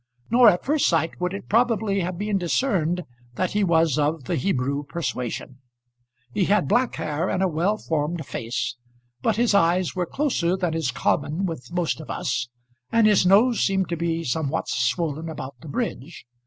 Nor at first sight would it probably have been discerned that he was of the Hebrew persuasion. He had black hair and a well formed face; but his eyes were closer than is common with most of us, and his nose seemed to be somewhat swollen about the bridge.